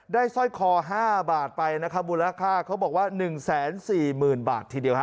ได้สร้อยคอห้าบาทไปนะคะมูลค่าเขาบอกว่าหนึ่งแสนสี่หมื่นบาททีเดียวฮะ